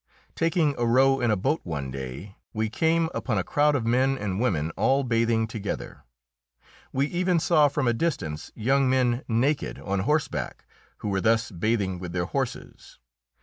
Taking a row in a boat one day, we came upon a crowd of men and women all bathing together. We even saw from a distance young men naked on horseback, who were thus bathing with their horses.